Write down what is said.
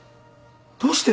どうして？